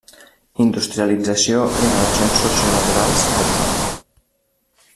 Industrialització i relacions sociolaborals a Osona.